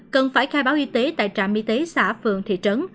cần phải khai báo y tế tại trạm y tế xã phường thị trấn